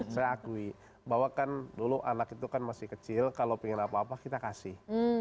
saya akui bahwa kan dulu anak itu kan masih kecil kalau ingin apa apa kita kasih